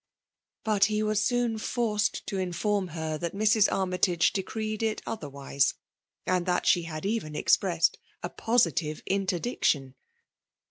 But he was soon forced to inform her that Mrs. Armytage decreed it otherwise, and that die had even eiqpressed a positive interdic tion.